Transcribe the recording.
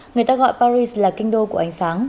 người ta gọi paris là kinh đô của ánh sáng